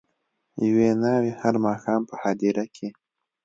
یوه ناوي هر ماښام په هدیره کي